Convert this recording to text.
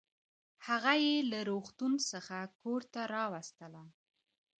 هغه يې له روغتون څخه کورته راوستله